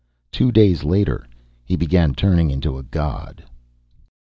Two days later, he began turning into a god.